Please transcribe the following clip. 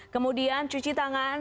kemudian cuci tangan